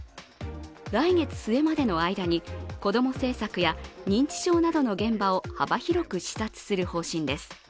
来月末までの間に子ども政策や認知症などの現場を幅広く視察する方針です。